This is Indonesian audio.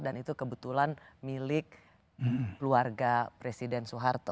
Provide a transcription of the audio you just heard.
dan itu kebetulan milik keluarga presiden soeharto